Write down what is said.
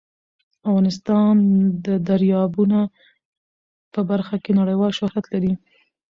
افغانستان د دریابونه په برخه کې نړیوال شهرت لري.